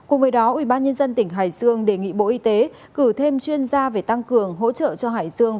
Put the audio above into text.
ubnd tỉnh hải dương đề nghị bộ y tế cử thêm chuyên gia về tăng cường hỗ trợ cho hải dương